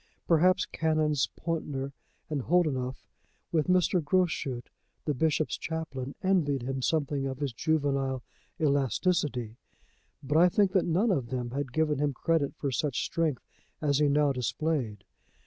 Perhaps Canons Pountner and Holdenough, with Mr. Groschut, the bishop's chaplain, envied him something of his juvenile elasticity. But I think that none of them had given him credit for such strength as he now displayed.